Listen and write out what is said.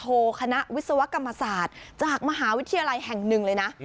คณะวิศวกรรมศาสตร์จากมหาวิทยาลัยแห่งหนึ่งเลยนะ